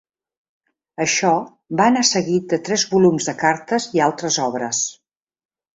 Això va anar seguit de tres volums de cartes i altres obres.